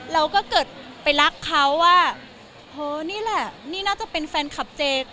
เราก็เกิดไปรักเขาว่าเออนี่แหละนี่น่าจะเป็นแฟนคลับเจ